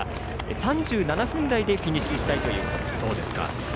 ３７分台でフィニッシュしたいということです。